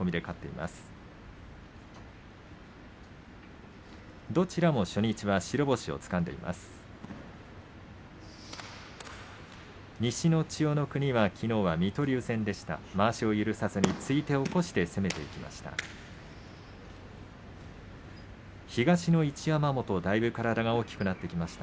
まわしを許さずに突いて起こして攻めていきました。